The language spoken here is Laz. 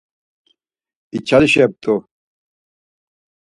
içalişep̌t̆u.